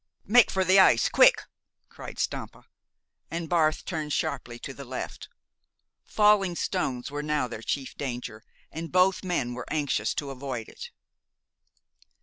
"Make for the ice quick!" cried Stampa, and Barth turned sharply to the left. Falling stones were now their chief danger, and both men were anxious to avoid it.